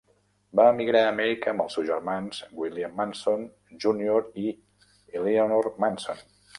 Va emigrar a Amèrica amb els seus germans: William Manson, Junior i Eleanor Manson.